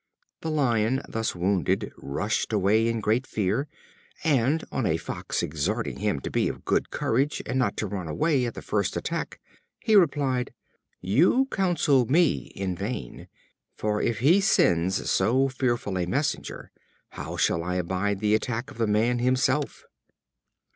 The Lion, thus wounded, rushed, away in great fear, and on a Fox exhorting him to be of good courage, and not to run away at the first attack, he replied: "You counsel me in vain, for if he sends so fearful a messenger, how shall I abide the attack of the man himself?"